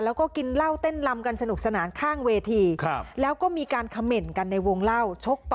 มีการจัดงานบดนาฏแล้วมีการแสดงหมอลำซิ่ง